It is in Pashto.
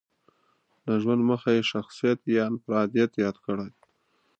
د ژوند موخه یې شخصيت يا انفراديت ياد کړی.